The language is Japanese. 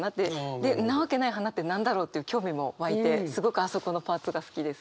で「んなわけない花」って何だろうという興味も湧いてすごくあそこのパーツが好きです。